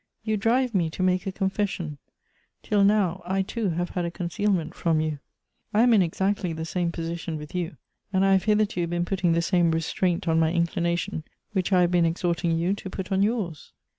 You drive me to make a confession ;— till now, I too have had a concealment from you ; I am in exactly the same position with you, and I have hitherto been putting the same restraint on my inclination which I have been exhorting you to put on yours."